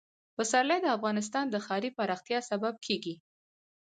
پسرلی د افغانستان د ښاري پراختیا سبب کېږي.